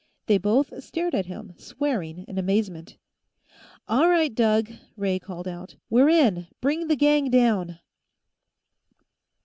They both stared at him, swearing in amazement. "All right, Doug!" Ray called out. "We're in! Bring the gang down!"